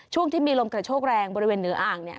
ช่วงที่มีลมกระโชกแรงบริเวณเหนืออ่างเนี่ย